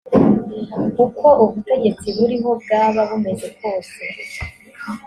uko ubutegetsi buriho bwaba bumeze kose